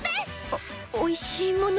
おおいしいもの？